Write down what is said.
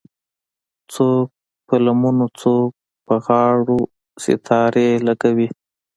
څوک په لمنو څوک په غاړو ستارې لګوي